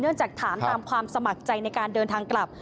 จากถามตามความสมัครใจในการเดินทางกลับ